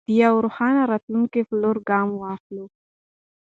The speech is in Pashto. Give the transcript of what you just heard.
د یوه روښانه راتلونکي په لور ګام واخلو.